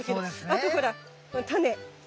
あとほら！